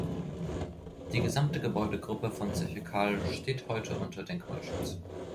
Die gesamte Gebäudegruppe von Zeche Carl steht heute unter Denkmalschutz.